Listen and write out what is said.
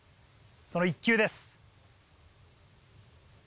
その１球です。